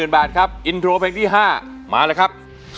๐บาทครับอินโทรเพลงที่๕มาเลยครับ